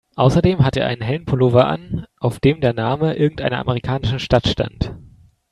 Außerdem hatte er einen hellen Pullover an, auf dem der Name irgendeiner amerikanischen Stadt stand.